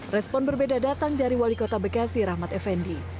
respon berbeda datang dari wali kota bekasi rahmat effendi